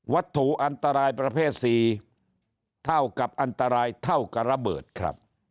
ถูกอันตรายประเภท๔เท่ากับอันตรายเท่ากับระเบิดครับ